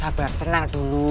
sabar tenang dulu